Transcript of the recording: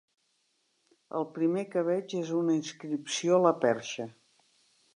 El primer que veig és una inscripció a la perxa.